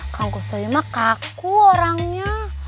kau gak tahu mah kaku orangnya